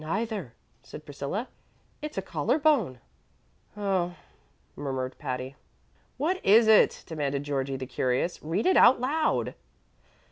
"Neither," said Priscilla; "it's a collar bone." "Oh," murmured Patty. "What is it?" demanded Georgie the curious. "Read it out loud."